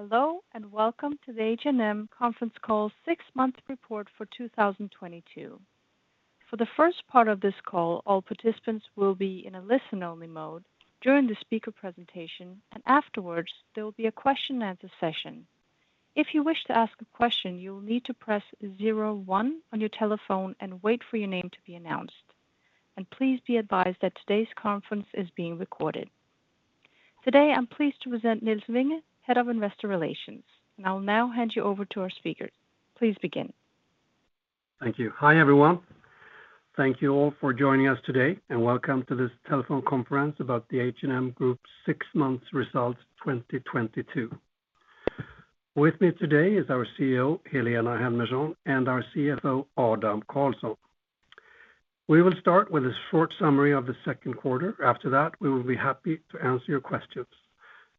Hello and welcome to the H&M conference call six-month report for 2022. For the first part of this call, all participants will be in a listen only mode during the speaker presentation, and afterwards, there will be a question and answer session. If you wish to ask a question, you will need to press 01 on your telephone and wait for your name to be announced. Please be advised that today's conference is being recorded. Today, I'm pleased to present Nils Vinge, Head of Investor Relations, and I'll now hand you over to our speakers. Please begin. Thank you. Hi, everyone. Thank you all for joining us today and welcome to this telephone conference about the H&M Group's six months results 2022. With me today is our CEO, Helena Helmersson, and our CFO, Adam Karlsson. We will start with a short summary of the Q2. After that, we will be happy to answer your questions.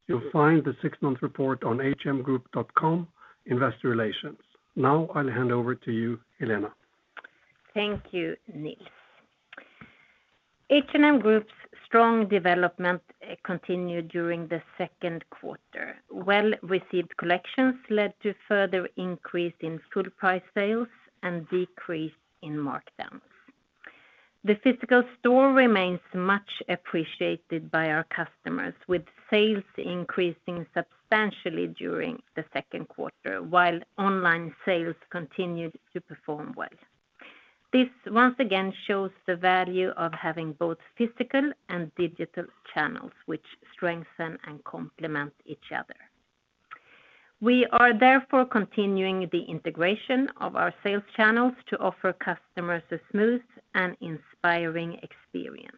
You'll find the six-month report on hmgroup.com Investor Relations. Now, I'll hand over to you, Helena. Thank you, Nils. H&M Group's strong development continued during the Q2. Well-received collections led to further increase in full price sales and decrease in markdowns. The physical store remains much appreciated by our customers, with sales increasing substantially during the Q2, while online sales continued to perform well. This once again shows the value of having both physical and digital channels which strengthen and complement each other. We are therefore continuing the integration of our sales channels to offer customers a smooth and inspiring experience.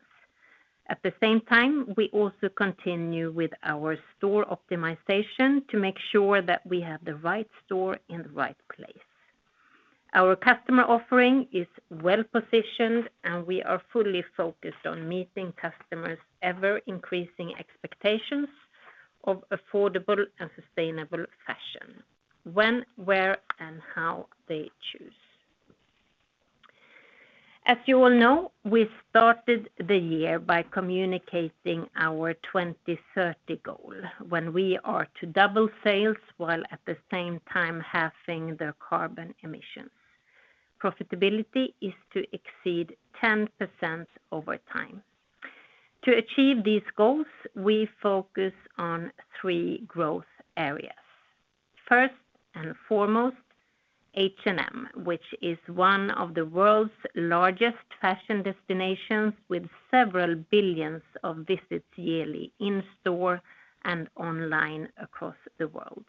At the same time, we also continue with our store optimization to make sure that we have the right store in the right place. Our customer offering is well-positioned, and we are fully focused on meeting customers' ever-increasing expectations of affordable and sustainable fashion when, where, and how they choose. As you all know, we started the year by communicating our 2030 goal, when we are to double sales while at the same time halving the carbon emissions. Profitability is to exceed 10% over time. To achieve these goals, we focus on three growth areas. First and foremost, H&M, which is one of the world's largest fashion destinations with several billions of visits yearly in store and online across the world.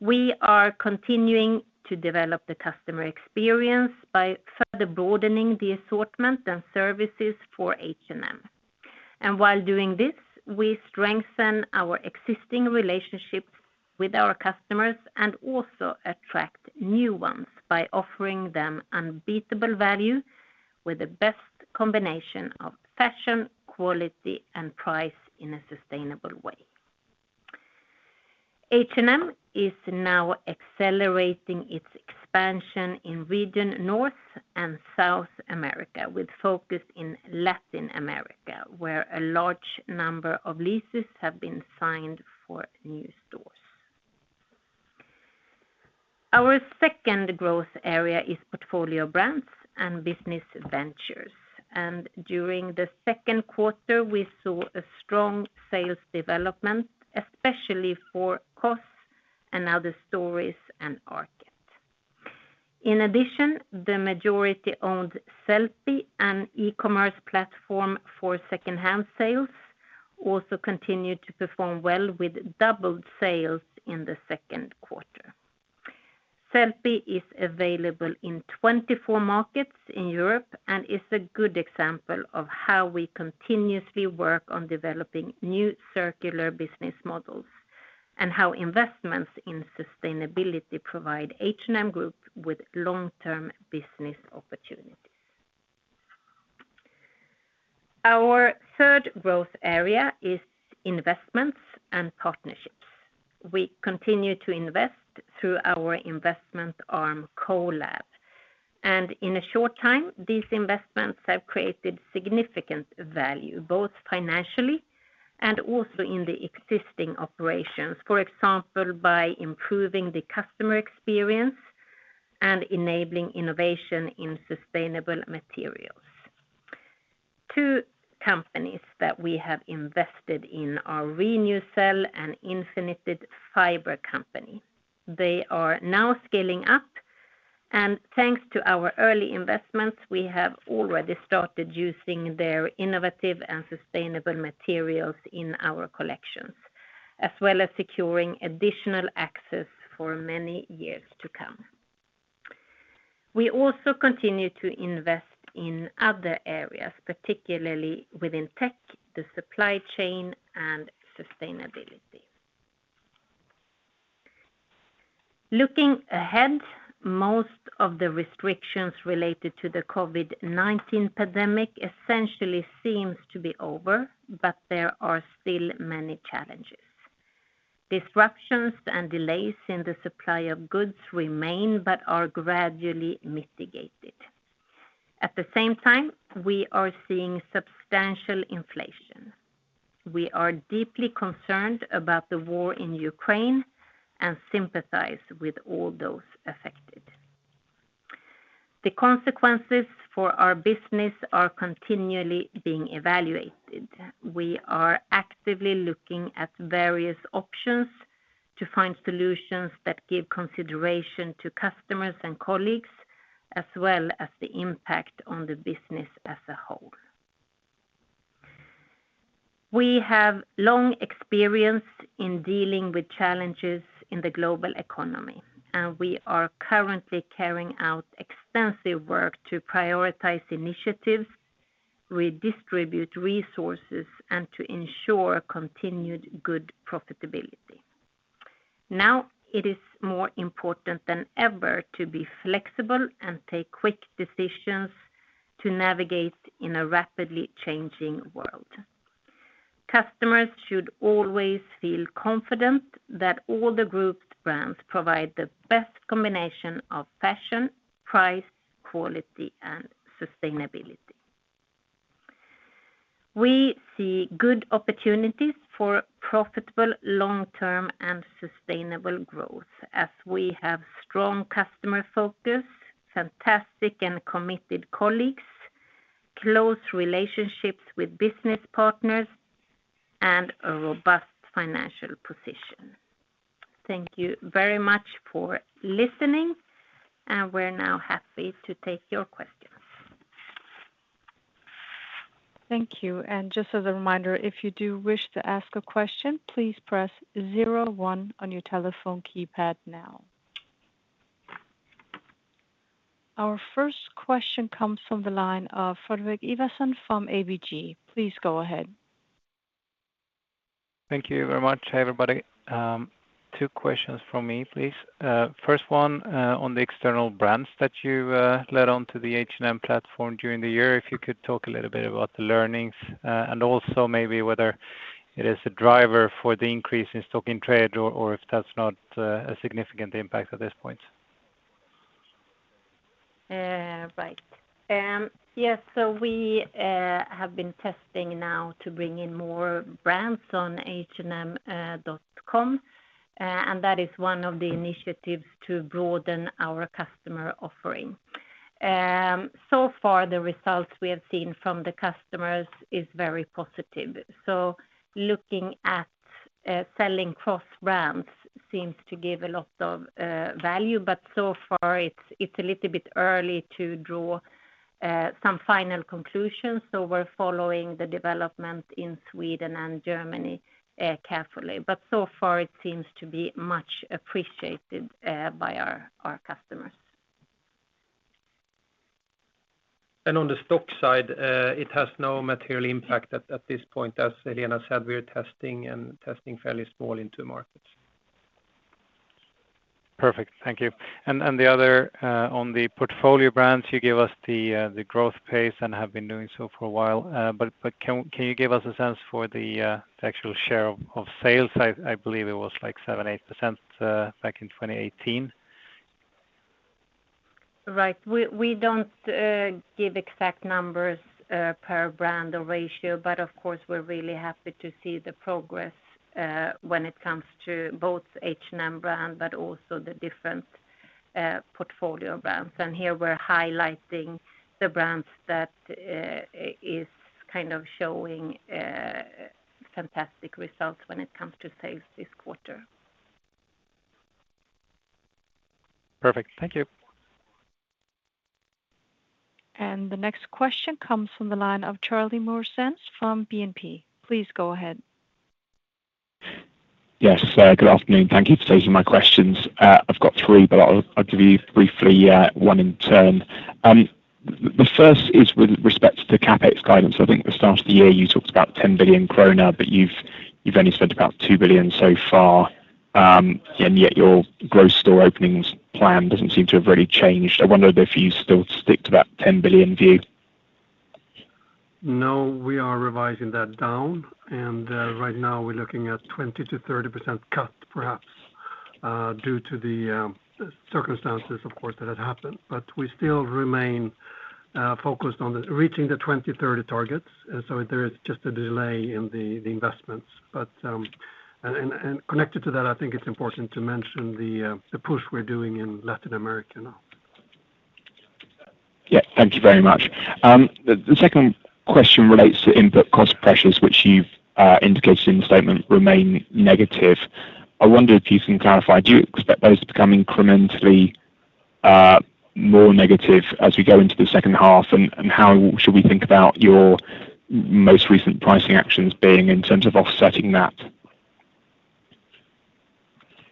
We are continuing to develop the customer experience by further broadening the assortment and services for H&M. While doing this, we strengthen our existing relationships with our customers and also attract new ones by offering them unbeatable value with the best combination of fashion, quality, and price in a sustainable way. H&M is now accelerating its expansion in region North and South America, with focus in Latin America, where a large number of leases have been signed for new stores. Our second growth area is portfolio brands and business ventures. During the Q2, we saw a strong sales development, especially for COS and & Other Stories and ARKET. In addition, the majority-owned Sellpy and e-commerce platform for secondhand sales also continued to perform well with doubled sales in the Q2. Sellpy is available in 24 markets in Europe and is a good example of how we continuously work on developing new circular business models and how investments in sustainability provide H&M Group with long-term business opportunities. Our third growth area is investments and partnerships. We continue to invest through our investment arm, CO:LAB. In a short time, these investments have created significant value, both financially and also in the existing operations, for example, by improving the customer experience and enabling innovation in sustainable materials. Two companies that we have invested in are Renewcell and Infinited Fiber Company. They are now scaling up, and thanks to our early investments, we have already started using their innovative and sustainable materials in our collections, as well as securing additional access for many years to come. We also continue to invest in other areas, particularly within tech, the supply chain, and sustainability. Looking ahead, most of the restrictions related to the COVID-19 pandemic essentially seems to be over, but there are still many challenges. Disruptions and delays in the supply of goods remain but are gradually mitigated. At the same time, we are seeing substantial inflation. We are deeply concerned about the war in Ukraine and sympathize with all those affected. The consequences for our business are continually being evaluated. We are actively looking at various options to find solutions that give consideration to customers and colleagues, as well as the impact on the business as a whole. We have long experience in dealing with challenges in the global economy, and we are currently carrying out extensive work to prioritize initiatives, redistribute resources, and to ensure continued good profitability. Now it is more important than ever to be flexible and take quick decisions to navigate in a rapidly changing world. Customers should always feel confident that all the group's brands provide the best combination of fashion, price, quality, and sustainability. We see good opportunities for profitable long-term and sustainable growth as we have strong customer focus, fantastic and committed colleagues, close relationships with business partners, and a robust financial position. Thank you very much for listening, and we're now happy to take your questions. Thank you. Just as a reminder, if you do wish to ask a question, please press zero one on your telephone keypad now. Our first question comes from the line of Fredrik Ivarsson from ABG. Please go ahead. Thank you very much. Hey, everybody. Two questions from me, please. First one, on the external brands that you led on to the H&M platform during the year. If you could talk a little bit about the learnings, and also maybe whether it is a driver for the increase in stock in trade or if that's not a significant impact at this point. Right. Yes, we have been testing now to bring in more brands on H&M.com, and that is one of the initiatives to broaden our customer offering. So far, the results we have seen from the customers is very positive. Looking at selling cross-brands seems to give a lot of value, but so far it's a little bit early to draw some final conclusions, so we're following the development in Sweden and Germany carefully. So far it seems to be much appreciated by our customers. On the stock side, it has no material impact at this point. As Helena said, we are testing fairly small in two markets. Perfect. Thank you. The other on the portfolio brands, you gave us the growth pace and have been doing so for a while. But can you give us a sense for the actual share of sales? I believe it was, like, 7-8% back in 2018. Right. We don't give exact numbers per brand or ratio, but of course, we're really happy to see the progress when it comes to both H&M brand but also the different portfolio brands. Here we're highlighting the brands that is kind of showing fantastic results when it comes to sales this quarter. Perfect. Thank you. The next question comes from the line of Charlie Muir-Sands from BNP. Please go ahead. Yes. Good afternoon. Thank you for taking my questions. I've got three, but I'll give you briefly one in turn. The first is with respect to the CapEx guidance. I think at the start of the year you talked about 10 billion krona, but you've only spent about 2 billion so far, and yet your growth store openings plan doesn't seem to have really changed. I wonder if you still stick to that 10 billion view. No, we are revising that down. Right now we're looking at 20%-30% cut, perhaps, due to the circumstances, of course, that have happened. We still remain focused on reaching the 2030 targets. There is just a delay in the investments. And connected to that, I think it's important to mention the push we're doing in Latin America now. Yeah. Thank you very much. The second question relates to input cost pressures, which you've indicated in the statement remain negative. I wonder if you can clarify, do you expect those to become incrementally more negative as we go into the second half? How should we think about your most recent pricing actions being in terms of offsetting that?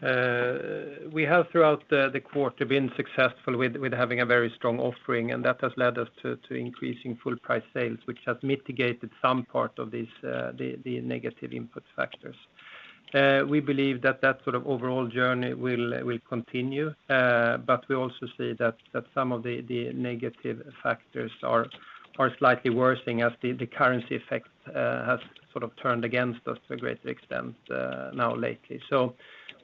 We have throughout the quarter been successful with having a very strong offering, and that has led us to increasing full price sales, which has mitigated some part of these the negative input factors. We believe that that sort of overall journey will continue, but we also see that some of the negative factors are slightly worsening as the currency effect has sort of turned against us to a great extent now lately.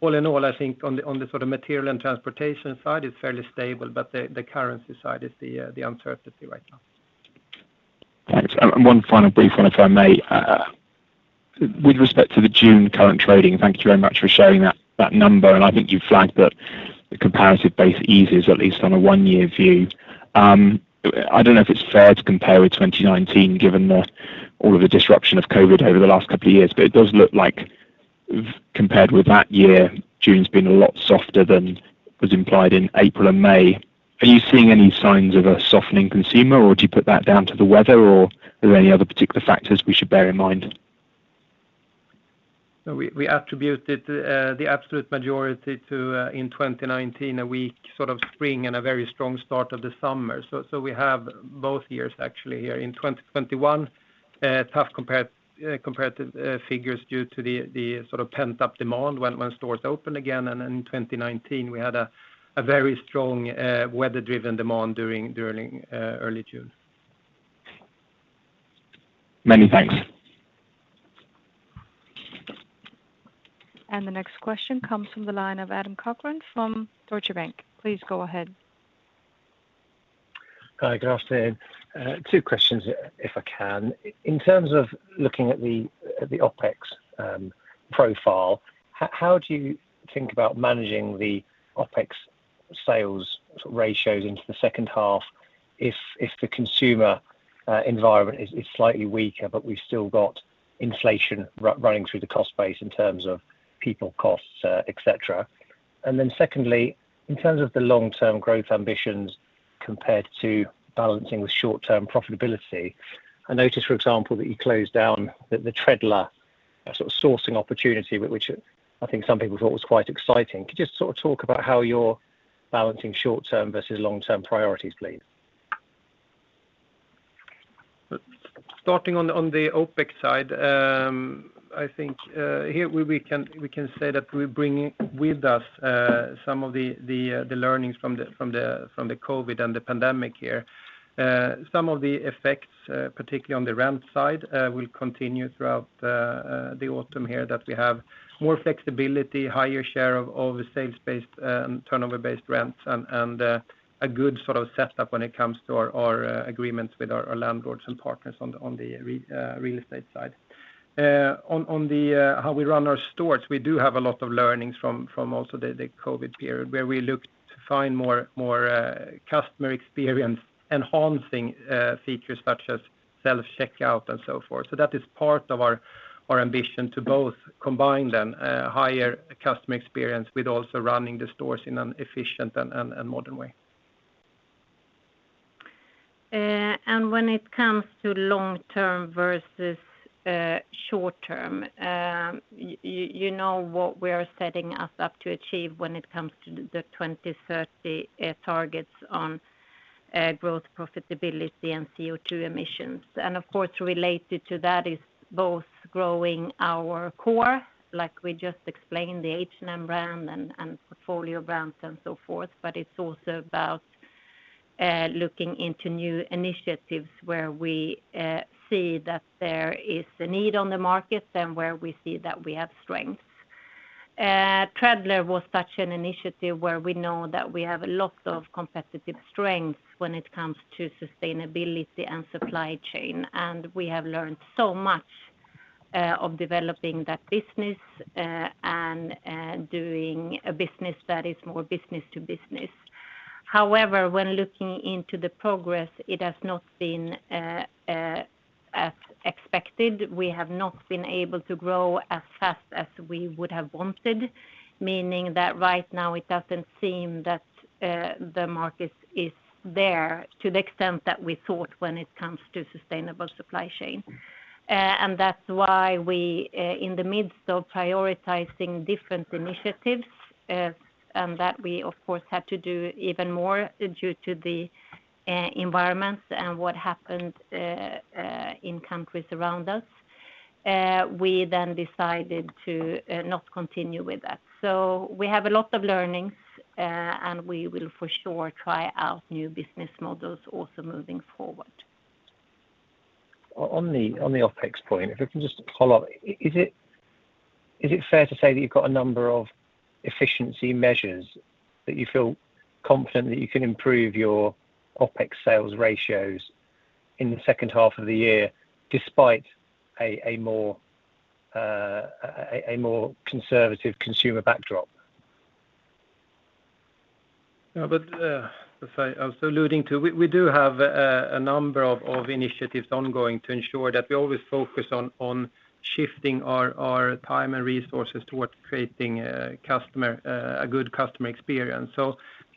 All in all, I think on the sort of material and transportation side, it's fairly stable, but the currency side is the uncertainty right now. Thanks. One final brief one, if I may. With respect to the June current trading, thank you very much for sharing that number. I think you flagged that the comparative base eases at least on a one-year view. I don't know if it's fair to compare with 2019 given all of the disruption of COVID over the last couple of years, but it does look like compared with that year, June's been a lot softer than was implied in April and May. Are you seeing any signs of a softening consumer, or do you put that down to the weather or are there any other particular factors we should bear in mind? We attribute the absolute majority to in 2019 a weak sort of spring and a very strong start of the summer. We have both years actually here. In 2021, tough comparative figures due to the sort of pent-up demand when stores opened again. In 2019, we had a very strong weather-driven demand during early June. Many thanks. The next question comes from the line of Adam Cochrane from Deutsche Bank. Please go ahead. Hi. Good afternoon. Two questions if I can. In terms of looking at the OpEx profile, how do you think about managing the OpEx sales ratios into the second half if the consumer environment is slightly weaker, but we've still got inflation running through the cost base in terms of people costs, et cetera? Then secondly, in terms of the long-term growth ambitions compared to balancing with short-term profitability, I noticed, for example, that you closed down the Treadler sort of sourcing opportunity, which I think some people thought was quite exciting. Could you just sort of talk about how you're balancing short-term versus long-term priorities, please? Starting on the OpEx side, I think here we can say that we're bringing with us some of the learnings from the COVID and the pandemic here. Some of the effects, particularly on the rent side, will continue throughout the autumn here that we have more flexibility, higher share of sales-based turnover-based rents and a good sort of setup when it comes to our agreements with our landlords and partners on the real estate side. On how we run our stores, we do have a lot of learnings from also the COVID period where we looked to find more customer experience enhancing features such as self-checkout and so forth. That is part of our ambition to both combine then a higher customer experience with also running the stores in an efficient and modern way. When it comes to long-term versus short-term, you know what we are setting us up to achieve when it comes to the 2030 targets on growth, profitability and CO2 emissions. Of course, related to that is both growing our core, like we just explained, the H&M brand and portfolio brands and so forth, but it's also about looking into new initiatives where we see that there is a need on the market and where we see that we have strengths. Treadler was such an initiative where we know that we have a lot of competitive strengths when it comes to sustainability and supply chain. We have learned so much of developing that business and doing a business that is more business to business. However, when looking into the progress, it has not been as expected. We have not been able to grow as fast as we would have wanted, meaning that right now it doesn't seem that the market is there to the extent that we thought when it comes to sustainable supply chain. That's why we, in the midst of prioritizing different initiatives, and that we of course had to do even more due to the environment and what happened in countries around us. We then decided to not continue with that. We have a lot of learnings, and we will for sure try out new business models also moving forward. On the OpEx point, if I can just follow up. Is it fair to say that you've got a number of efficiency measures that you feel confident that you can improve your OpEx sales ratios in the second half of the year despite a more conservative consumer backdrop? No, but as I was alluding to, we do have a number of initiatives ongoing to ensure that we always focus on shifting our time and resources towards creating a good customer experience.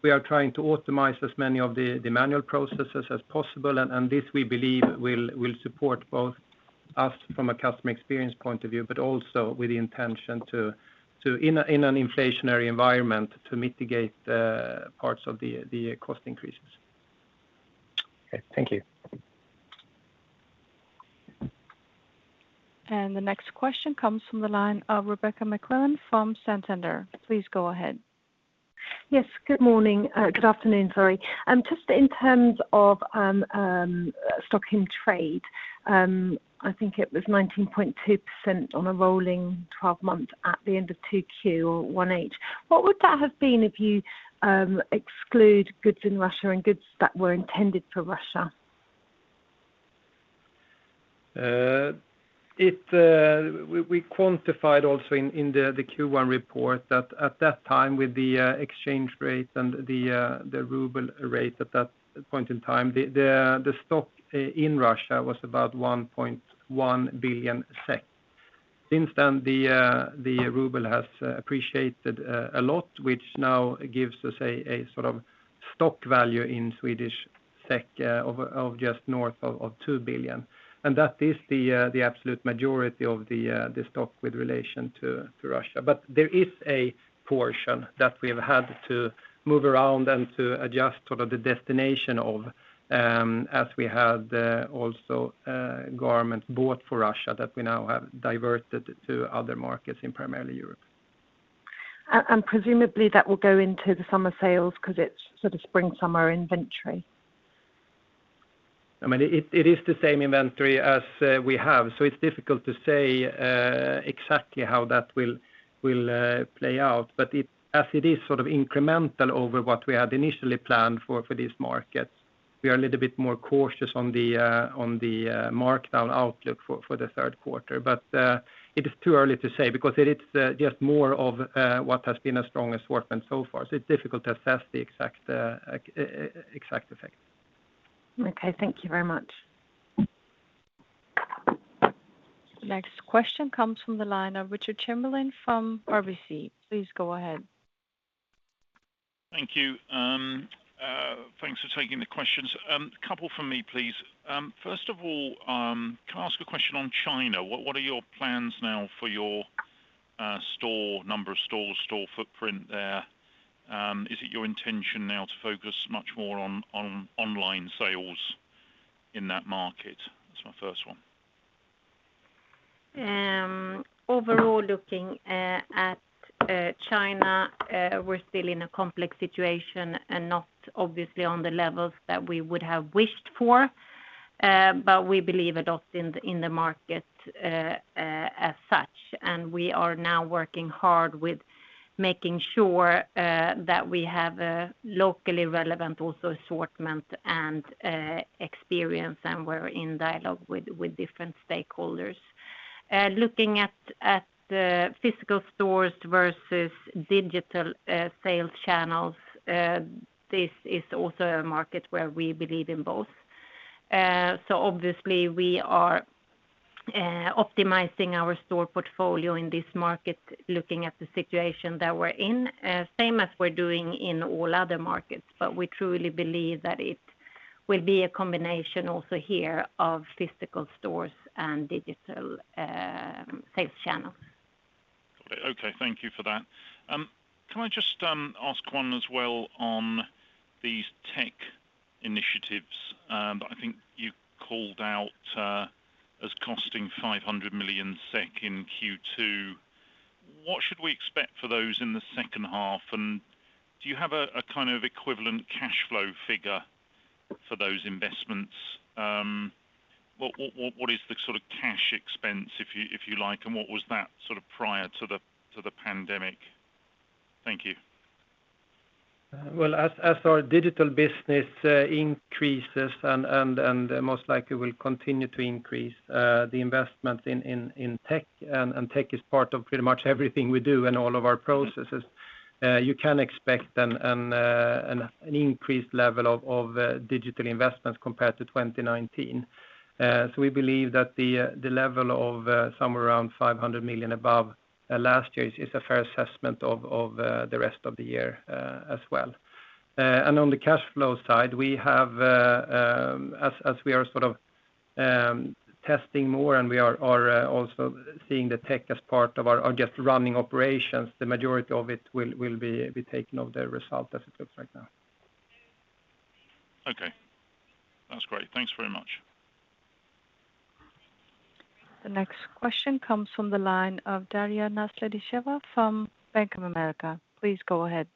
We are trying to optimize as many of the manual processes as possible. This, we believe, will support both us from a customer experience point of view, but also with the intention to, in an inflationary environment, to mitigate parts of the cost increases. Okay. Thank you. The next question comes from the line of Rebecca McClellan from Santander. Please go ahead. Yes, good morning. Good afternoon, sorry. Just in terms of stock in trade, I think it was 19.2% on a rolling twelve months at the end of Q2 or H1. What would that have been if you exclude goods in Russia and goods that were intended for Russia? We quantified also in the Q1 report that at that time with the exchange rate and the ruble rate at that point in time, the stock in Russia was about 1.1 billion SEK. Since then, the ruble has appreciated a lot, which now gives us a sort of stock value in Swedish SEK of just north of 2 billion. That is the absolute majority of the stock with relation to Russia. There is a portion that we have had to move around and to adjust sort of the destination of, as we had also, garments bought for Russia that we now have diverted to other markets in primarily Europe. Presumably that will go into the summer sales because it's sort of spring-summer inventory. I mean, it is the same inventory as we have, so it's difficult to say exactly how that will play out. As it is sort of incremental over what we had initially planned for these markets, we are a little bit more cautious on the markdown outlook for the Q3. It is too early to say because it is just more of what has been a strong assortment so far. It's difficult to assess the exact effect. Okay, thank you very much. The next question comes from the line of Richard Chamberlain from RBC. Please go ahead. Thank you. Thanks for taking the questions. Couple from me, please. First of all, can I ask a question on China? What are your plans now for your store, number of stores, store footprint there? Is it your intention now to focus much more on online sales in that market? That's my first one. Overall looking at China, we're still in a complex situation and not obviously on the levels that we would have wished for, but we believe a lot in the market as such. We are now working hard with making sure that we have a locally relevant also assortment and experience, and we're in dialogue with different stakeholders. Looking at the physical stores versus digital sales channels, this is also a market where we believe in both. Obviously we are optimizing our store portfolio in this market looking at the situation that we're in, same as we're doing in all other markets. We truly believe that it will be a combination also here of physical stores and digital sales channels. Okay. Thank you for that. Can I just ask one as well on these tech initiatives that I think you called out as costing 500 million SEK in Q2? What should we expect for those in the second half? And do you have a kind of equivalent cash flow figure for those investments? What is the sort of cash expense, if you like, and what was that sort of prior to the pandemic? Thank you. Well, as our digital business increases and most likely will continue to increase, the investment in tech and tech is part of pretty much everything we do and all of our processes, you can expect an increased level of digital investments compared to 2019. We believe that the level of somewhere around 500 million above last year is a fair assessment of the rest of the year, as well. On the cash flow side, we have, as we are sort of testing more and we are also seeing the tech as part of our just running operations, the majority of it will be taken off the result as it looks right now. Okay. That's great. Thanks very much. The next question comes from the line of Daria Nasledysheva from Bank of America. Please go ahead.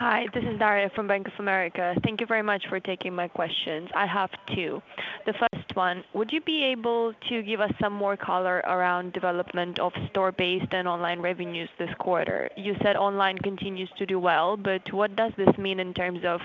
Hi, this is Daria from Bank of America. Thank you very much for taking my questions. I have two. The first one, would you be able to give us some more color around development of store-based and online revenues this quarter? You said online continues to do well, but what does this mean in terms of,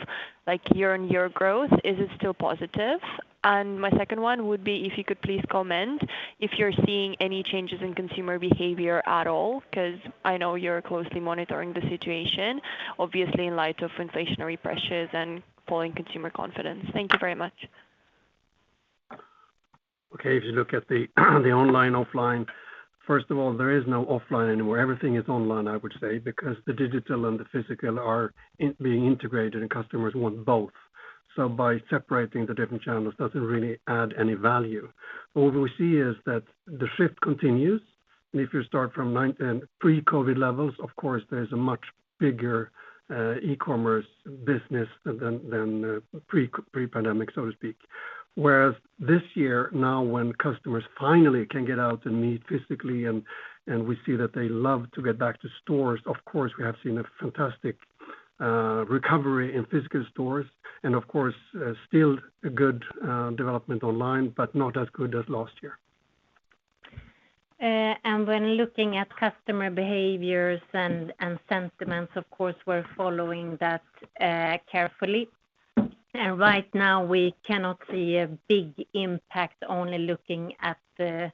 like, year-on-year growth? Is it still positive? My second one would be if you could please comment if you're seeing any changes in consumer behavior at all, 'cause I know you're closely monitoring the situation, obviously in light of inflationary pressures and falling consumer confidence. Thank you very much. Okay. If you look at the online, offline, first of all, there is no offline anymore. Everything is online, I would say, because the digital and the physical are being integrated and customers want both. By separating the different channels doesn't really add any value. What we see is that the shift continues. If you start from nine-10 pre-COVID levels, of course, there's a much bigger e-commerce business than pre-pandemic, so to speak. Whereas this year now when customers finally can get out and meet physically and we see that they love to get back to stores, of course, we have seen a fantastic recovery in physical stores and, of course, still a good development online, but not as good as last year. When looking at customer behaviors and sentiments, of course, we're following that carefully. Right now we cannot see a big impact only looking at the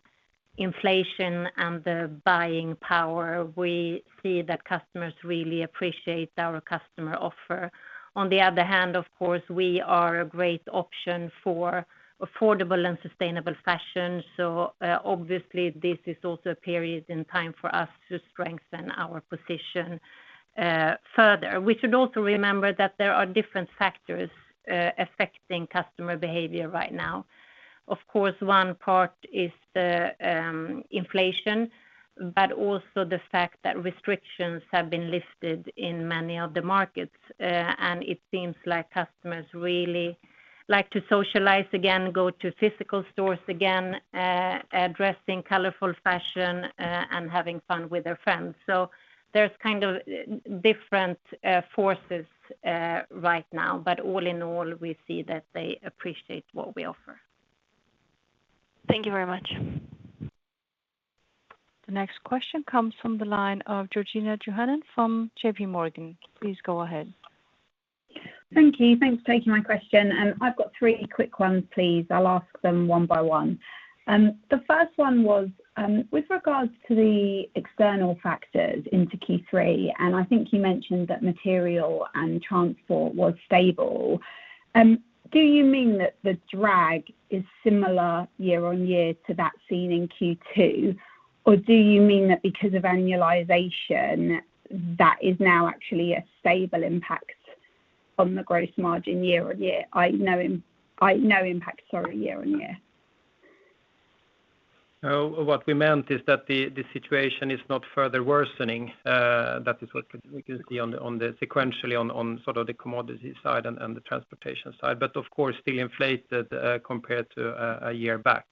inflation and the buying power. We see that customers really appreciate our customer offer. On the other hand, of course, we are a great option for affordable and sustainable fashion. Obviously this is also a period in time for us to strengthen our position further. We should also remember that there are different factors affecting customer behavior right now. Of course, one part is the inflation, but also the fact that restrictions have been lifted in many of the markets and it seems like customers really like to socialize again, go to physical stores again, dressing in colorful fashion and having fun with their friends. There's kind of different forces right now. All in all, we see that they appreciate what we offer. Thank you very much. The next question comes from the line of Georgina Johanan from JPMorgan. Please go ahead. Thank you. Thanks for taking my question. I've got three quick ones, please. I'll ask them one by one. The first one was with regards to the external factors in Q3, and I think you mentioned that material and transport was stable. Do you mean that the drag is similar year-over-year to that seen in Q2? Or do you mean that because of annualization, that is now actually a stable impact on the gross margin year-over-year? I know impact, sorry, year-over-year. No. What we meant is that the situation is not further worsening. That is what could be sequentially on sort of the commodity side and the transportation side, but of course still inflated compared to a year back.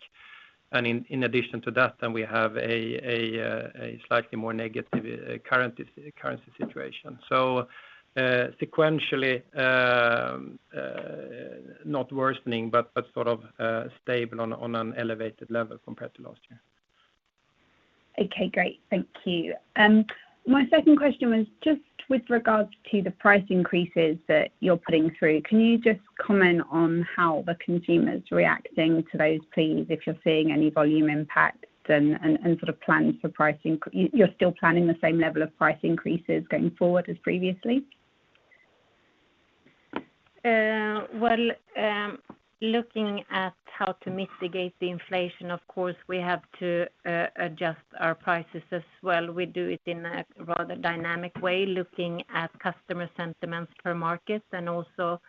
In addition to that, we have a slightly more negative currency situation. Sequentially, not worsening, but sort of stable on an elevated level compared to last year. Okay, great. Thank you. My second question was just with regards to the price increases that you're putting through. Can you just comment on how the consumer is reacting to those, please, if you're seeing any volume impacts and sort of plans for pricing? You're still planning the same level of price increases going forward as previously? Looking at how to mitigate the inflation, of course, we have to adjust our prices as well. We do it in a rather dynamic way, looking at customer sentiments per market and also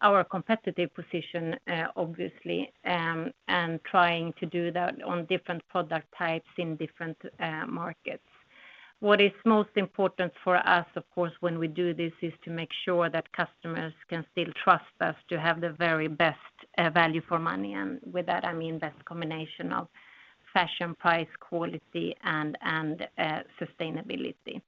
our competitive position, and trying to do that on different product types in different markets. What is most important for us, of course, when we do this, is to make sure that customers can still trust us to have the very best value for money. With that, I mean best combination of fashion, price, quality, and sustainability.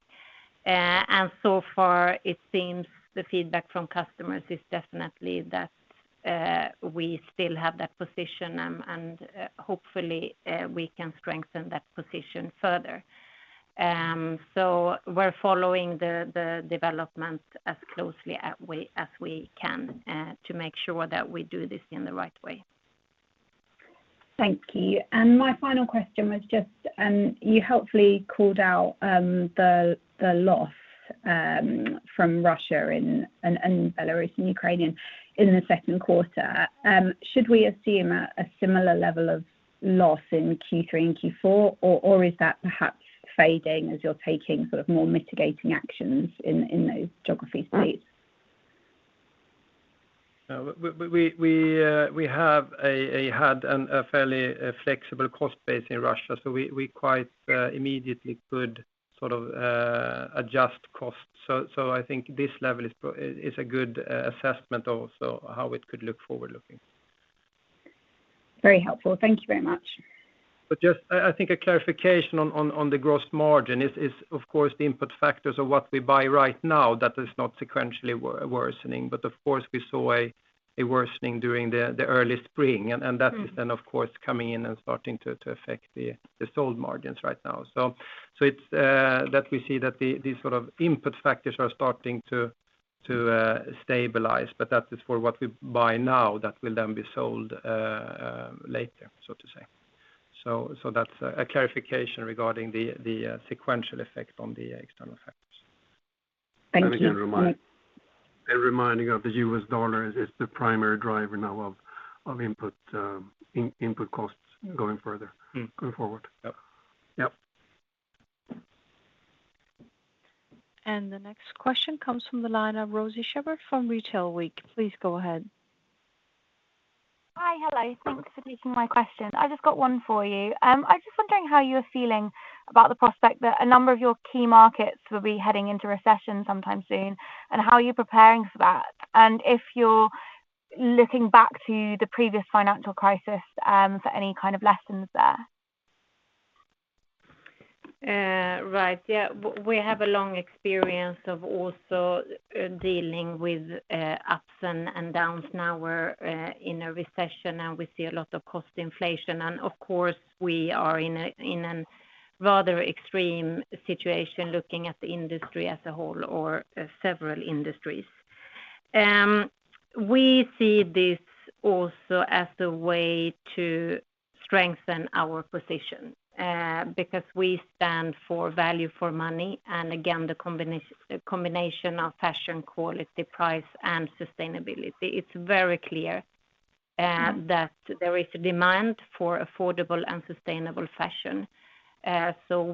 So far it seems the feedback from customers is definitely that we still have that position, and hopefully we can strengthen that position further. We're following the development as closely as we can to make sure that we do this in the right way. Thank you. My final question was just, you helpfully called out, the loss from Russia and Belarus and Ukraine in the Q2. Should we assume a similar level of loss in Q3 and Q4? Or is that perhaps fading as you're taking sort of more mitigating actions in those geographies please? No. We have had a fairly flexible cost base in Russia, so we quite immediately could sort of adjust costs. I think this level is a good assessment also how it could look forward looking. Very helpful. Thank you very much. Just, I think a clarification on the gross margin is of course the input factors of what we buy right now that is not sequentially worsening. Of course, we saw a worsening during the early spring. That is then of course coming in and starting to affect the sold margins right now. It's that we see that these sort of input factors are starting to stabilize, but that is for what we buy now that will then be sold later, so to say. That's a clarification regarding the sequential effect on the external factors. Thank you. Reminding of the US dollar is the primary driver now of input costs going forward. Mm-hmm. Going forward. Yep. Yep. The next question comes from the line of Rosie Shepard from Retail Week. Please go ahead. Hi. Hello. Thanks for taking my question. I just got one for you. I was just wondering how you're feeling about the prospect that a number of your key markets will be heading into recession sometime soon, and how are you preparing for that? If you're looking back to the previous financial crisis for any kind of lessons there. Right. Yeah. We have a long experience of also dealing with ups and downs. Now we're in a recession, and we see a lot of cost inflation. Of course, we are in a rather extreme situation, looking at the industry as a whole or several industries. We see this also as the way to strengthen our position, because we stand for value for money, and again, the combination of fashion, quality, price, and sustainability. It's very clear that there is demand for affordable and sustainable fashion.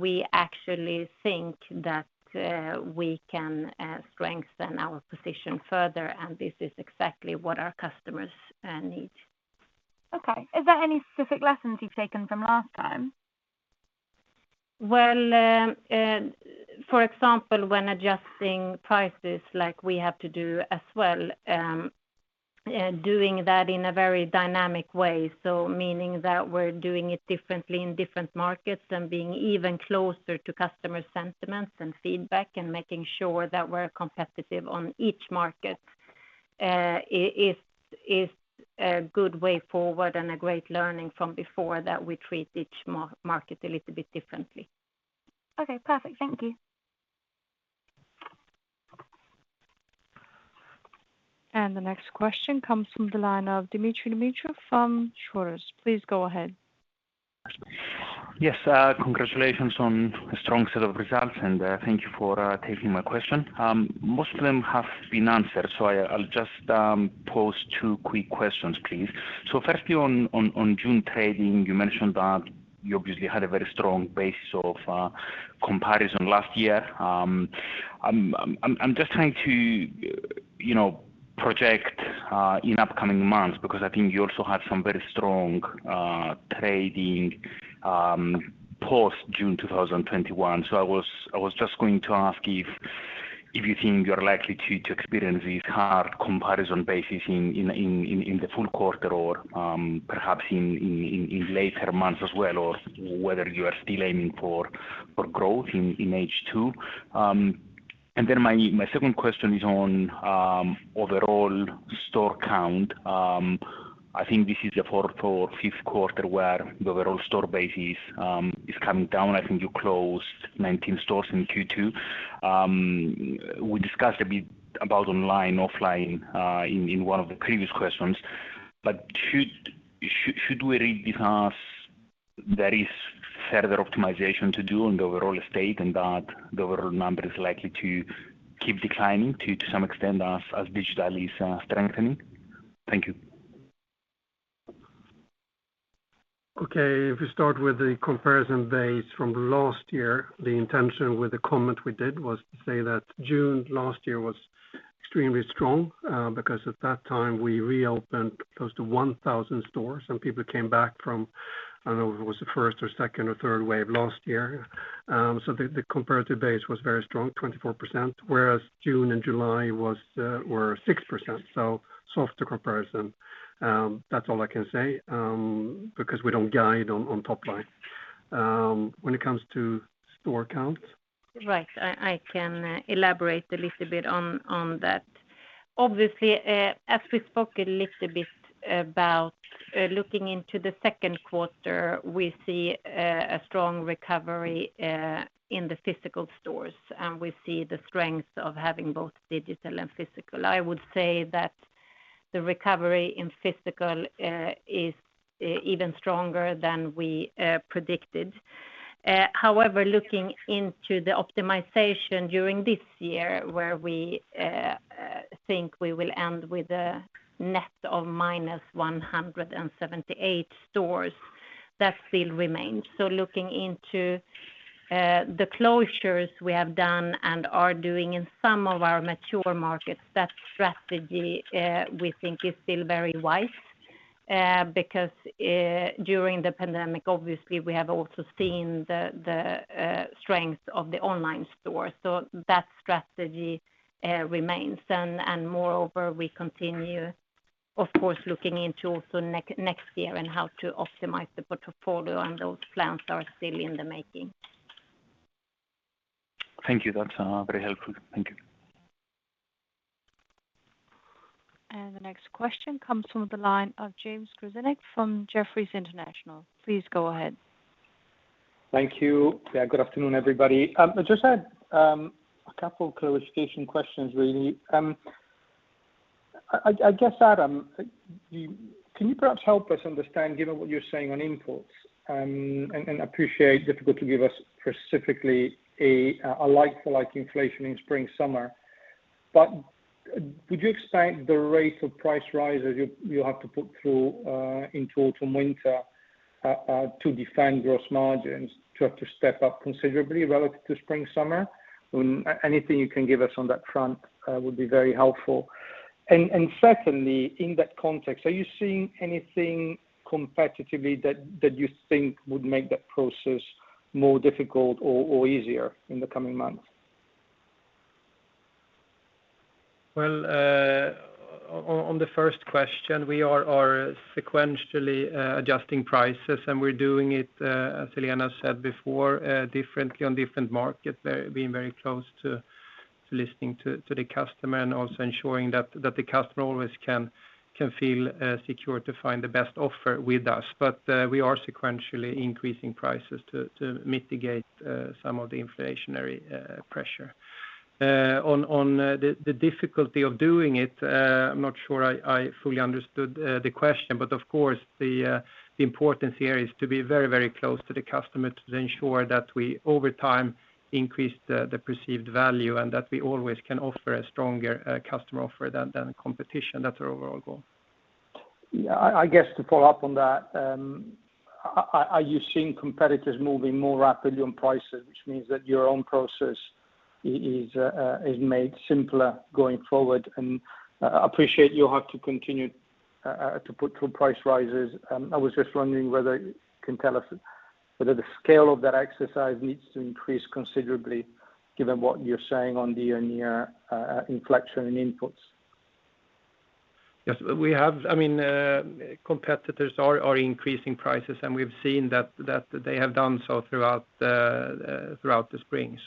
We actually think that we can strengthen our position further, and this is exactly what our customers need. Okay. Is there any specific lessons you've taken from last time? Well, for example, when adjusting prices like we have to do as well, doing that in a very dynamic way, so meaning that we're doing it differently in different markets and being even closer to customer sentiments and feedback and making sure that we're competitive on each market, is a good way forward and a great learning from before that we treat each market a little bit differently. Okay, perfect. Thank you. The next question comes from the line of Dmitry Solovyev from. Please go ahead. Yes, congratulations on a strong set of results, and thank you for taking my question. Most of them have been answered, so I'll just pose two quick questions, please. Firstly on June trading, you mentioned that you obviously had a very strong basis of comparison last year. I'm just trying to, you know, project in upcoming months because I think you also had some very strong trading post-June 2021. I was just going to ask if you think you're likely to experience these hard comparison bases in the full quarter or perhaps in later months as well, or whether you are still aiming for growth in H2. My second question is on overall store count. I think this is the fourth or fifth quarter where the overall store base is coming down. I think you closed 19 stores in Q2. We discussed a bit about online, offline, in one of the previous questions. Should we read this as there is further optimization to do on the overall estate and that the overall number is likely to keep declining to some extent as digital is strengthening? Thank you. Okay. If we start with the comparison base from last year, the intention with the comment we did was to say that June last year was extremely strong, because at that time, we reopened close to 1,000 stores, and people came back from, I don't know if it was the first or second or third wave last year. So the comparative base was very strong, 24%, whereas June and July were 6%, so softer comparison. That's all I can say, because we don't guide on top line. When it comes to store count. Right. I can elaborate a little bit on that. Obviously, as we spoke a little bit about, looking into the Q2, we see a strong recovery in the physical stores, and we see the strength of having both digital and physical. I would say that the recovery in physical is even stronger than we predicted. However, looking into the optimization during this year, where we think we will end with a net of minus 178 stores, that still remains. Looking into the closures we have done and are doing in some of our mature markets, that strategy we think is still very wise, because during the pandemic, obviously, we have also seen the strength of the online store. That strategy remains. Moreover, we continue, of course, looking into also next year and how to optimize the portfolio and those plans are still in the making. Thank you. That's very helpful. Thank you. The next question comes from the line of James Grzinic from Jefferies International. Please go ahead. Thank you. Yeah, good afternoon, everybody. I just had a couple clarification questions, really. I guess, Adam, can you perhaps help us understand, given what you're saying on imports, and I appreciate it's difficult to give us specifically a like-for-like inflation in spring, summer? Would you expect the rate of price rises you have to put through in autumn/winter to defend gross margins to have to step up considerably relative to spring/summer? Anything you can give us on that front would be very helpful. Secondly, in that context, are you seeing anything competitively that you think would make that process more difficult or easier in the coming months? On the first question, we are sequentially adjusting prices, and we're doing it as Helena said before, differently on different markets. They are being very close to listening to the customer and also ensuring that the customer always can feel secure to find the best offer with us. We are sequentially increasing prices to mitigate some of the inflationary pressure. On the difficulty of doing it, I'm not sure I fully understood the question, but of course, the importance here is to be very, very close to the customer to ensure that we, over time, increase the perceived value and that we always can offer a stronger customer offer than competition. That's our overall goal. Yeah. I guess to follow up on that, are you seeing competitors moving more rapidly on prices, which means that your own process is made simpler going forward? I appreciate you have to continue to put through price rises. I was just wondering whether you can tell us whether the scale of that exercise needs to increase considerably given what you're saying on the year-on-year inflection in inputs. Yes. I mean, competitors are increasing prices, and we've seen that they have done so throughout the spring.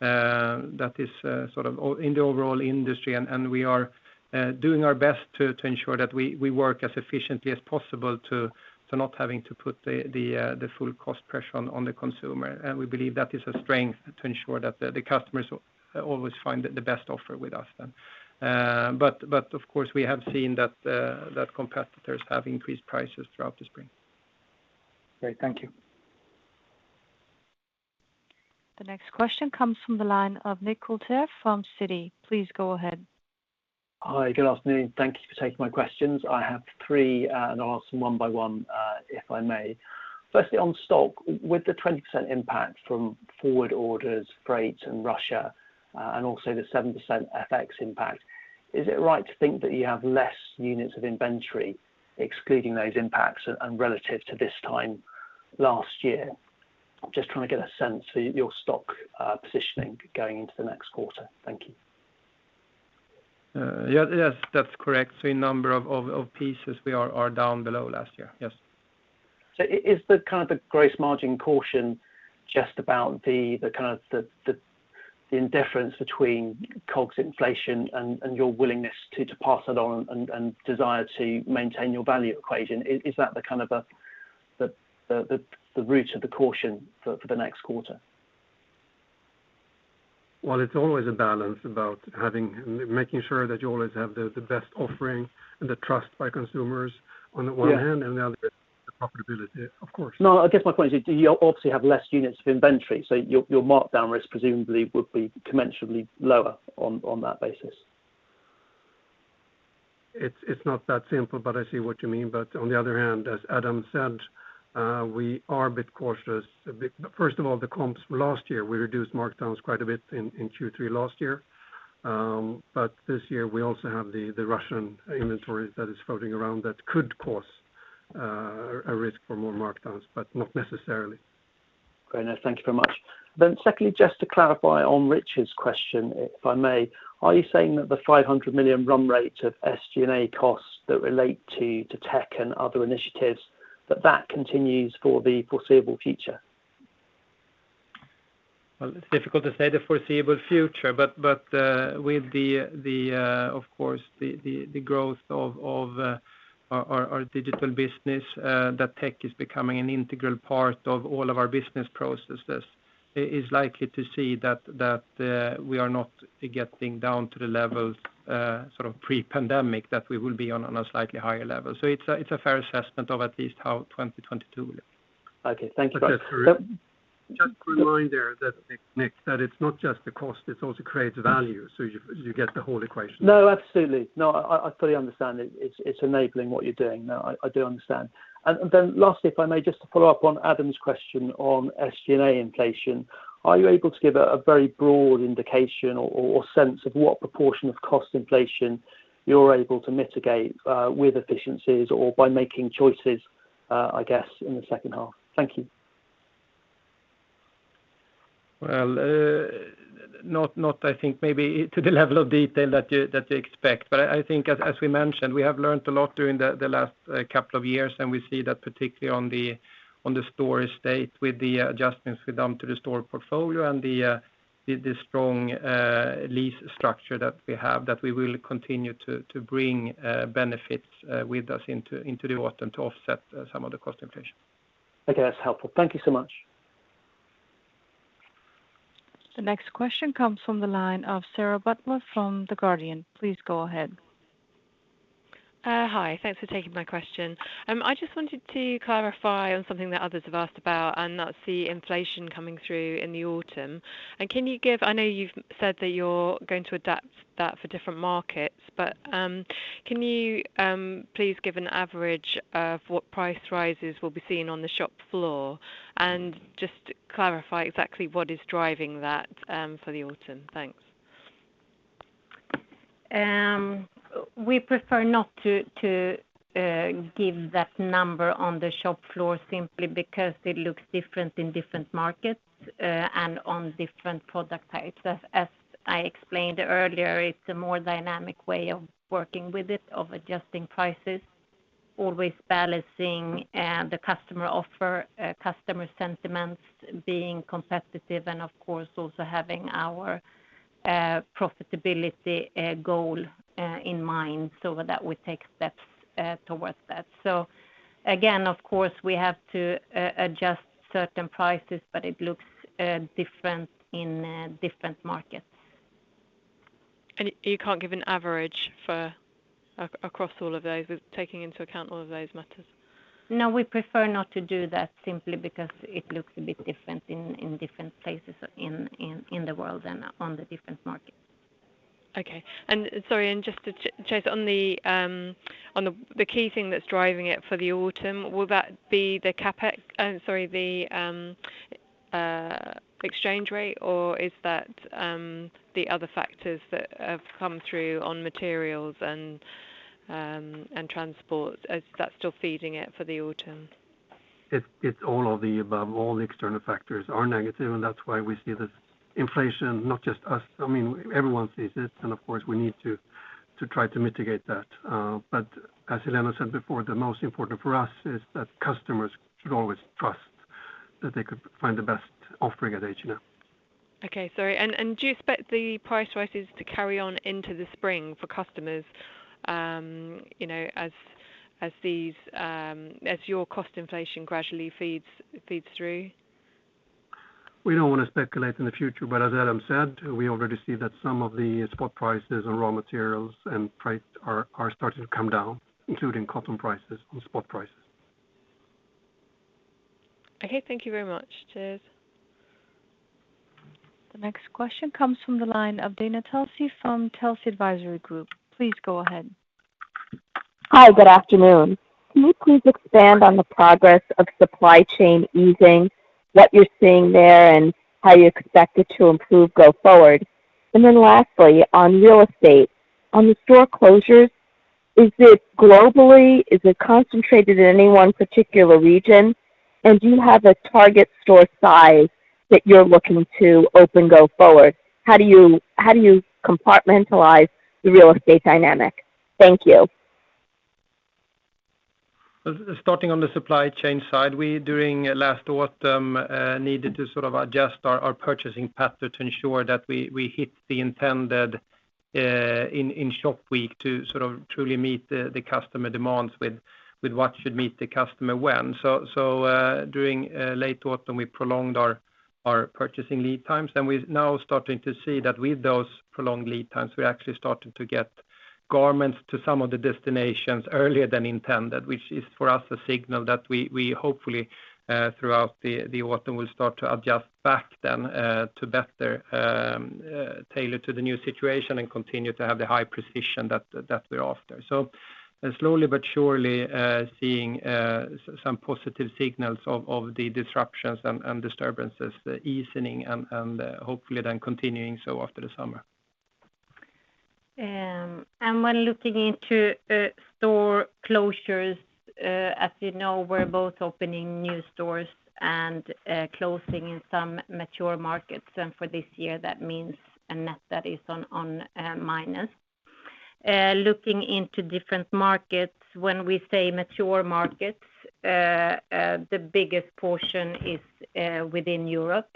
That is sort of in the overall industry and we are doing our best to ensure that we work as efficiently as possible to not having to put the full cost pressure on the consumer. We believe that is a strength to ensure that the customers always find the best offer with us then. But of course, we have seen that competitors have increased prices throughout the spring. Great. Thank you. The next question comes from the line of Nick Coulter from Citi. Please go ahead. Hi. Good afternoon. Thank you for taking my questions. I have three, and I'll ask them one by one, if I may. Firstly, on stock, with the 20% impact from forward orders, freights, and Russia, and also the 7% FX impact, is it right to think that you have less units of inventory excluding those impacts and relative to this time last year? Just trying to get a sense of your stock, positioning going into the next quarter. Thank you. Yes. Yes, that's correct. In number of pieces, we are down below last year. Yes. Is the gross margin caution just about the indifference between COGS inflation and your willingness to pass it on and desire to maintain your value equation? Is that the root of the caution for the next quarter? Well, it's always a balance about making sure that you always have the best offering and the trust by consumers on the one hand. Yeah. the other is the profitability. Of course. No, I guess my point is you obviously have less units of inventory, so your markdown risk presumably would be commensurately lower on that basis. It's not that simple, but I see what you mean. On the other hand, as Adam said, we are a bit cautious. First of all, the comps last year, we reduced markdowns quite a bit in Q3 last year. This year, we also have the Russian inventory that is floating around that could cause a risk for more markdowns, but not necessarily. Great. No, thank you very much. Secondly, just to clarify on Richard's question, if I may. Are you saying that the 500 million run rate of SG&A costs that relate to tech and other initiatives, that continues for the foreseeable future? Well, it's difficult to say the foreseeable future, but with, of course, the growth of our digital business, that tech is becoming an integral part of all of our business processes. It's likely to see that we are not getting down to the levels, sort of pre-pandemic, that we will be on a slightly higher level. It's a fair assessment of at least how 2022 looks. Okay. Thank you very much. Just a reminder that, Nick, that it's not just the cost, it also creates value. You get the whole equation. No, absolutely. No, I fully understand it. It's enabling what you're doing. No, I do understand. Then lastly, if I may just follow up on Adam's question on SG&A inflation. Are you able to give a very broad indication or sense of what proportion of cost inflation you're able to mitigate with efficiencies or by making choices, I guess, in the second half? Thank you. Well, not. I think maybe to the level of detail that you expect. I think as we mentioned, we have learned a lot during the last couple of years, and we see that particularly on the store estate with the adjustments we've done to the store portfolio and the strong lease structure that we have, that we will continue to bring benefits with us into the autumn to offset some of the cost inflation. Okay. That's helpful. Thank you so much. The next question comes from the line of Sarah Butler from The Guardian. Please go ahead. Hi. Thanks for taking my question. I just wanted to clarify on something that others have asked about, and that's the inflation coming through in the autumn. I know you've said that you're going to adapt that for different markets, but can you please give an average of what price rises will be seen on the shop floor? Just to clarify exactly what is driving that for the autumn. Thanks. We prefer not to give that number on the shop floor simply because it looks different in different markets and on different product types. As I explained earlier, it's a more dynamic way of working with it, of adjusting prices, always balancing the customer offer, customer sentiments, being competitive, and of course, also having our profitability goal in mind so that we take steps towards that. Again, of course, we have to adjust certain prices, but it looks different in different markets. You can't give an average for across all of those with taking into account all of those matters? No, we prefer not to do that simply because it looks a bit different in different places in the world and on the different markets. Sorry, just to chase on the key thing that's driving it for the autumn, will that be the exchange rate, or the other factors that have come through on materials and transport? Is that still feeding it for the autumn? It's all of the above. All the external factors are negative, and that's why we see this inflation, not just us. I mean, everyone sees this and of course we need to try to mitigate that. As Helena said before, the most important for us is that customers should always trust that they could find the best offering at H&M. Sorry. Do you expect the price rises to carry on into the spring for customers, you know, as your cost inflation gradually feeds through? We don't wanna speculate in the future, but as Adam said, we already see that some of the spot prices on raw materials and prices are starting to come down, including cotton prices on spot prices. Okay. Thank you very much. Cheers. The next question comes from the line of Dana Telsey from Telsey Advisory Group. Please go ahead. Hi, good afternoon. Can you please expand on the progress of supply chain easing, what you're seeing there and how you expect it to improve go forward? And then lastly, on real estate, on the store closures, is it globally? Is it concentrated in any one particular region? And do you have a target store size that you're looking to open go forward? How do you compartmentalize the real estate dynamic? Thank you. Starting on the supply chain side, we during last autumn needed to sort of adjust our purchasing pattern to ensure that we hit the intended in shop week to sort of truly meet the customer demands with what should meet the customer when. During late autumn, we prolonged our purchasing lead times, and we're now starting to see that with those prolonged lead times, we're actually starting to get garments to some of the destinations earlier than intended, which is for us a signal that we hopefully throughout the autumn will start to adjust back then to better tailor to the new situation and continue to have the high precision that we're after. Slowly but surely, seeing some positive signals of the disruptions and disturbances, the easing and hopefully then continuing so after the summer. When looking into store closures, as you know, we're both opening new stores and closing in some mature markets. For this year that means a net that is on minus. Looking into different markets, when we say mature markets, the biggest portion is within Europe.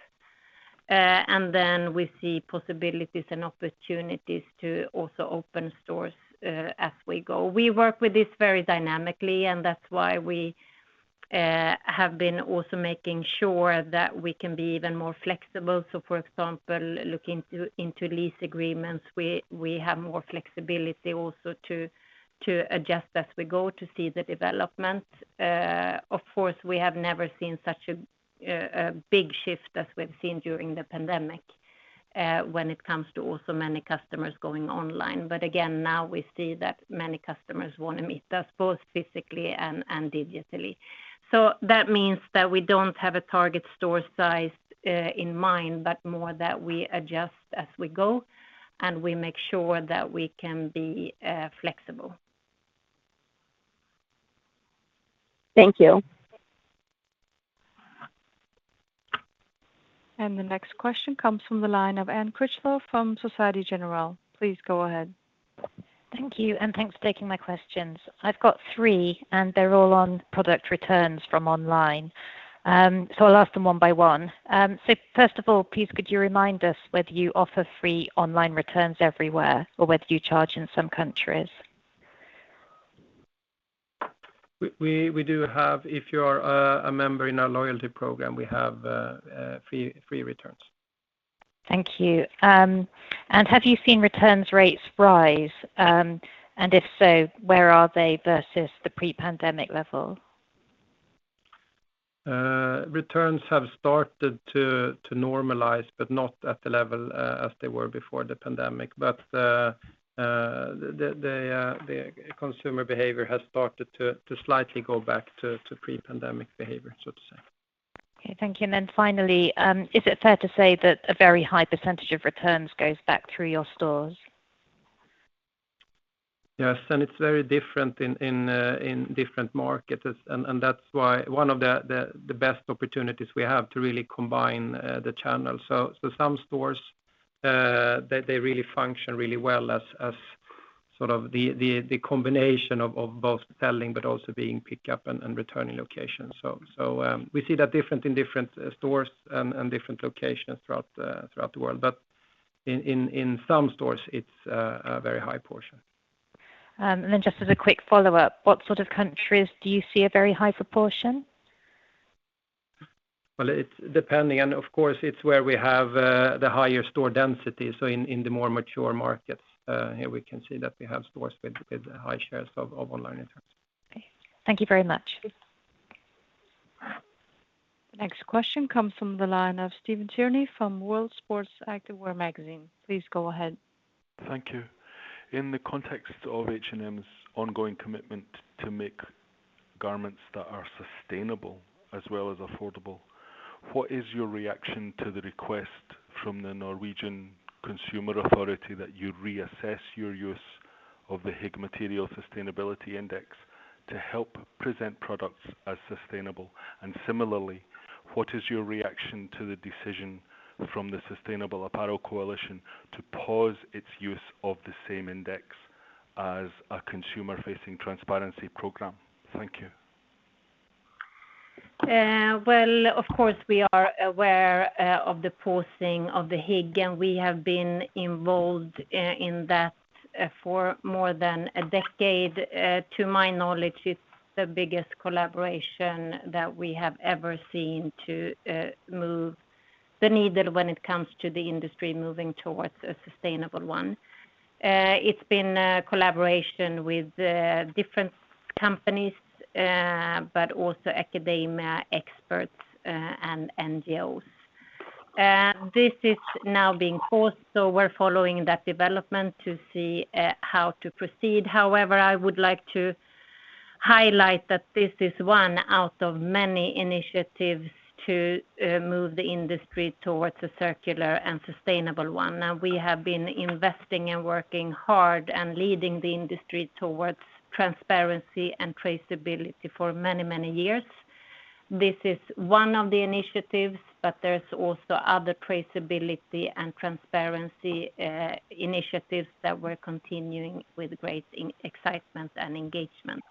Then we see possibilities and opportunities to also open stores as we go. We work with this very dynamically, and that's why we have been also making sure that we can be even more flexible. For example, looking into lease agreements, we have more flexibility also to adjust as we go to see the development. Of course, we have never seen such a big shift as we've seen during the pandemic, when it comes to also many customers going online. Again, now we see that many customers wanna meet us both physically and digitally. That means that we don't have a target store size in mind, but more that we adjust as we go and we make sure that we can be flexible. Thank you. The next question comes from the line of Anne Critchlow from Société Générale. Please go ahead. Thank you, and thanks for taking my questions. I've got three, and they're all on product returns from online. I'll ask them one by one. First of all, please could you remind us whether you offer free online returns everywhere or whether you charge in some countries? We do have, if you are a member in our loyalty program, we have free returns. Thank you. Have you seen return rates rise? If so, where are they versus the pre-pandemic level? Returns have started to normalize, but not at the level as they were before the pandemic. The consumer behavior has started to slightly go back to pre-pandemic behavior, so to say. Okay, thank you. Finally, is it fair to say that a very high percentage of returns goes back through your stores? Yes. It's very different in different markets. That's why one of the best opportunities we have to really combine the channels. Some stores, they really function really well as sort of the combination of both selling but also being pickup and returning locations. We see that different in different stores and different locations throughout the world. In some stores, it's a very high portion. Just as a quick follow-up, what sort of countries do you see a very high proportion? Well, it's depending. Of course it's where we have the higher store density, so in the more mature markets, here we can see that we have stores with high shares of online returns. Okay. Thank you very much. Next question comes from the line of Stephen Tierney from World Sports Activewear magazine. Please go ahead. Thank you. In the context of H&M's ongoing commitment to make garments that are sustainable as well as affordable, what is your reaction to the request from the Norwegian Consumer Authority that you reassess your use of the Higg Material Sustainability Index to help present products as sustainable? Similarly, what is your reaction to the decision from the Sustainable Apparel Coalition to pause its use of the same index as a consumer-facing transparency program? Thank you. Well, of course, we are aware of the pausing of the Higg, and we have been involved in that for more than a decade. To my knowledge, it's the biggest collaboration that we have ever seen to move the needle when it comes to the industry moving towards a sustainable one. It's been a collaboration with different companies, but also academia experts, and NGOs. This is now being paused, so we're following that development to see how to proceed. However, I would like to highlight that this is one out of many initiatives to move the industry towards a circular and sustainable one. Now, we have been investing and working hard and leading the industry towards transparency and traceability for many, many years. This is one of the initiatives, but there's also other traceability and transparency initiatives that we're continuing with great excitement and engagement.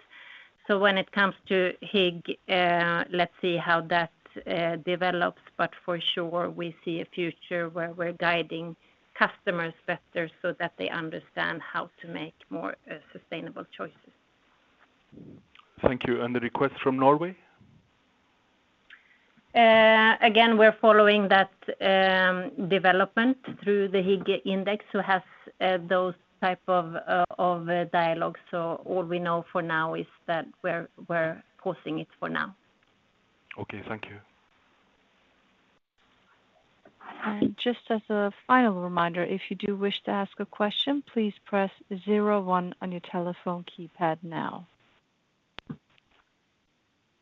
When it comes to Higg, let's see how that develops. For sure, we see a future where we're guiding customers better so that they understand how to make more sustainable choices. Thank you. The request from Norway? Again, we're following that development through the Higg Index, who has those type of dialogues. All we know for now is that we're pausing it for now. Okay. Thank you. Just as a final reminder, if you do wish to ask a question, please press zero one on your telephone keypad now.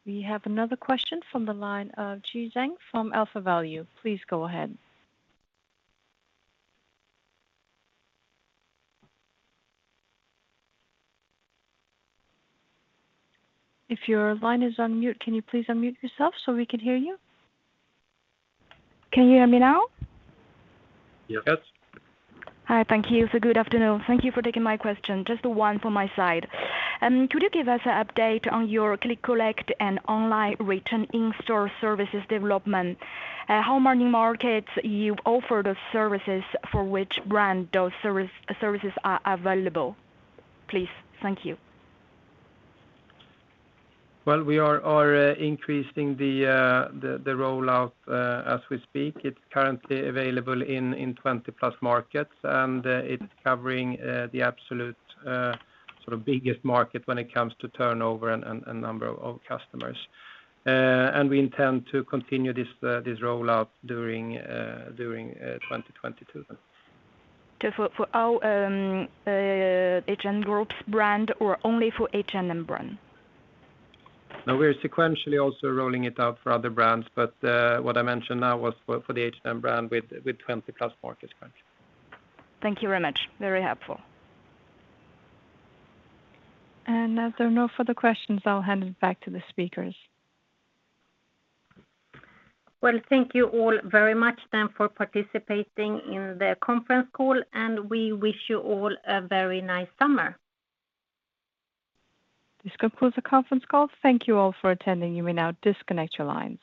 We have another question from the line of Jie Zhang from AlphaValue. Please go ahead. If your line is on mute, can you please unmute yourself so we can hear you? Can you hear me now? Yes. Hi. Thank you. Good afternoon. Thank you for taking my question. Just one from my side. Could you give us an update on your Click and Collect and online return-in-store services development? How many markets you've offered those services for which brand those services are available, please? Thank you. Well, we are increasing the rollout as we speak. It's currently available in 20+ markets, and it's covering the absolute sort of biggest market when it comes to turnover and number of customers. And we intend to continue this rollout during 2022 then. For all H&M Group's brands or only for H&M brand? No, we're sequentially also rolling it out for other brands, but what I mentioned now was for the H&M brand with 20+ markets currently. Thank you very much. Very helpful. As there are no further questions, I'll hand it back to the speakers. Well, thank you all very much then for participating in the conference call, and we wish you all a very nice summer. This concludes the conference call. Thank you all for attending. You may now disconnect your lines.